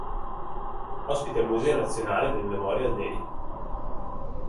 Ospita il museo nazionale del Memorial Day.